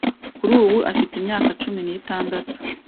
kuri ubu afite imyaka cumi nitandatu